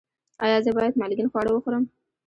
ایا زه باید مالګین خواړه وخورم؟